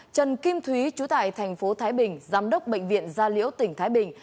trần kim thúy chú tại tp thái bình giám đốc bệnh viện gia liễu tỉnh thái bình